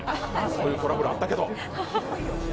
そういうトラブルあったけど。